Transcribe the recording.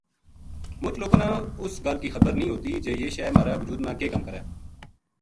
مُچ لوکاں نا اس گل کی خبر نیہہ ہوتی جے یہ شے مھارا وُجود ما کے کَم کرے